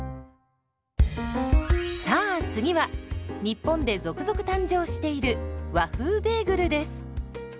さあ次は日本で続々誕生している「和風ベーグル」です。